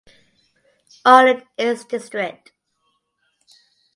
All in its district.